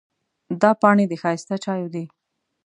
دا پاڼې د ښایسته چایو دي.